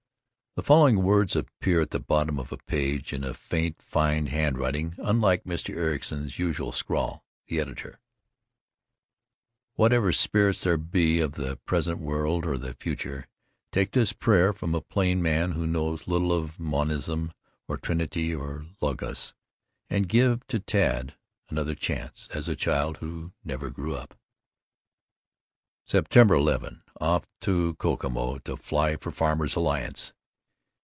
(The following words appear at the bottom of a page, in a faint, fine handwriting unlike Mr. Ericson's usual scrawl.—The Editor): Whatever spirits there be, of the present world or the future, take this prayer from a plain man who knows little of monism or trinity or logos, and give to Tad another chance, as a child who never grew up. September 11: Off to Kokomo, to fly for Farmers' Alliance.